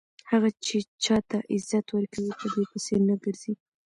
هغه چې چاته عزت ورکوي په دې پسې نه ګرځي.